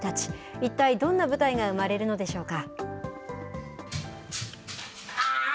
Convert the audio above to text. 一体どんな舞台が生まれるのでしょうか。